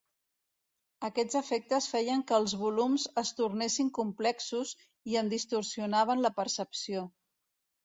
Aquests efectes feien que els volums es tornessin complexos i en distorsionaven la percepció.